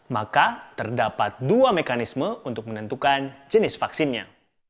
maka terdapat dua mekanisme untuk menentukan jenis vaksinnya